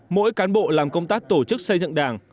mỗi cán bộ làm công tác tổ chức xây dựng đảng